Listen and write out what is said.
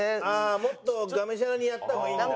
もっとがむしゃらにやった方がいいんだ。